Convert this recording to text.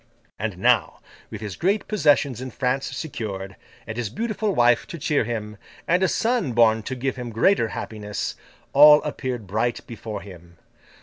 And now, with his great possessions in France secured, and his beautiful wife to cheer him, and a son born to give him greater happiness, all appeared bright before him.